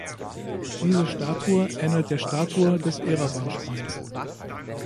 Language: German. Diese Statue ähnelt der Statue des Erawan-Schreins.